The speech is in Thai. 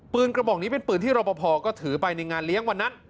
กระบอกนี้เป็นปืนที่รอปภก็ถือไปในงานเลี้ยงวันนั้น